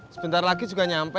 sebentar lagi juga nyampe